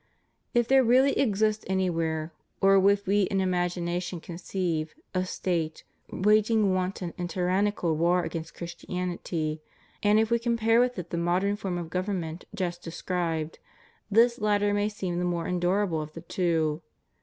If there really exist anywhere, or if we in imagination conceive, a State, waging wanton and t)Tannical war against Christianity, and if we compare with it the modern form of government just described, this latter may seem the more endurable of the two.